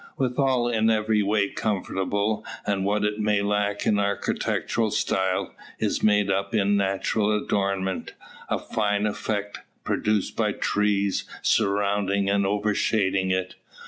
Withal, in every way comfortable; and what it may lack in architectural style is made up in natural adornment; a fine effect, produced by trees surrounding and o'ershading it.